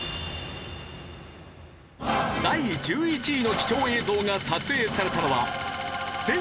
第１１位の貴重映像が撮影されたのは。